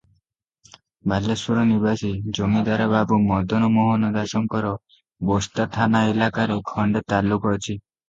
ବାଲେଶ୍ୱର ନିବାସୀ ଜମିଦାର ବାବୁ ମଦନ ମୋହନ ଦାସଙ୍କର ବସ୍ତା ଥାନା ଇଲାକାରେ ଖଣ୍ଡେ ତାଲୁକ ଅଛି ।